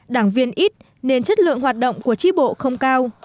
đảng viên ít nên chất lượng hoạt động của tri bộ không cao